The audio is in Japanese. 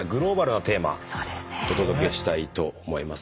お届けしたいと思います。